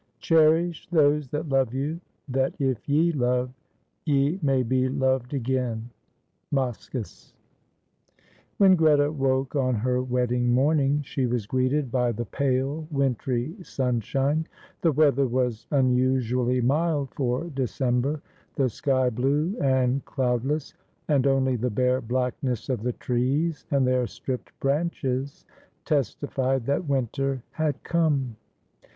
"Cherish those that love you; that if ye love, ye may be loved again." Moschus. When Greta woke on her wedding morning, she was greeted by the pale wintry sunshine. The weather was unusually mild for December, the sky blue and cloudless, and only the bare blackness of the trees and their stripped branches testified that winter had come.